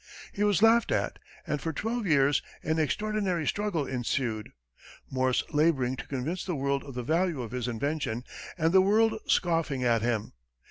He was laughed at, and for twelve years an extraordinary struggle ensued, Morse laboring to convince the world of the value of his invention, and the world scoffing at him.